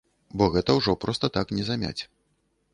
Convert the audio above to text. Бо гэта ўжо проста так не замяць.